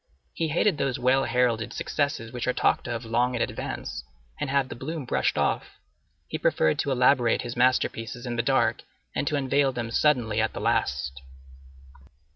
He hated those well heralded successes which are talked of long in advance and have had the bloom brushed off. He preferred to elaborate his masterpieces in the dark and to unveil them suddenly at the last.